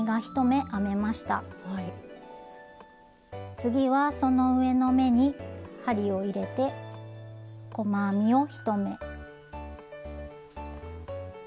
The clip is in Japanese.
次はその上の目に針を入れて細編みを１目。